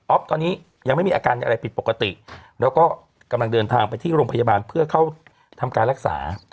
ตอนนี้ยังไม่มีอาการอะไรผิดปกติแล้วก็กำลังเดินทางไปที่โรงพยาบาลเพื่อเข้าทำการรักษา